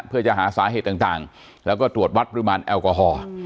เพื่อจะหาสาเหตุต่างแล้วก็ตรวจวัดปริมาณแอลกอฮอล์